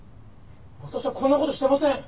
「私はこんな事していません！」